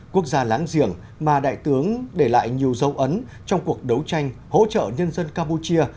quốc gia láng giềng mà đại tướng để lại nhiều dấu ấn trong cuộc đấu tranh hỗ trợ nhân dân campuchia